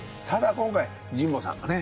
今回神保さんがね